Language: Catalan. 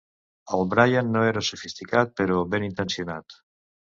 El Brian no era sofisticat, però benintencionat.